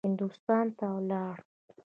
هندوستان ته ولاړ.